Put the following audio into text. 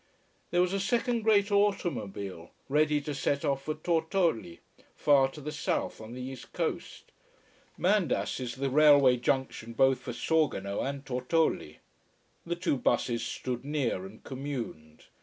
There was a second great automobile, ready to set off for Tortolì, far to the south, on the east coast. Mandas is the railway junction both for Sorgono and Tortolì. The two buses stood near and communed.